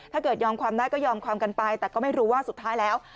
ยอมความได้ก็ยอมความกันไปแต่ก็ไม่รู้ว่าสุดท้ายแล้ว